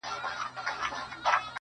قاسم یار مین پر داسي جانانه دی،